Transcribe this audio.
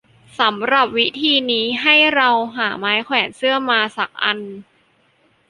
สำหรับวิธีนี้ ให้เราหาไม้แขวนเสื้อมาสักอัน